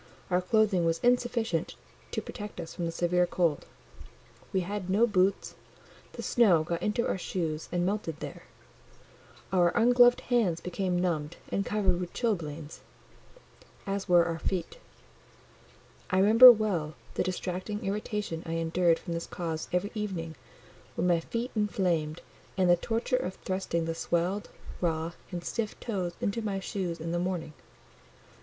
Our clothing was insufficient to protect us from the severe cold: we had no boots, the snow got into our shoes and melted there: our ungloved hands became numbed and covered with chilblains, as were our feet: I remember well the distracting irritation I endured from this cause every evening, when my feet inflamed; and the torture of thrusting the swelled, raw, and stiff toes into my shoes in the morning.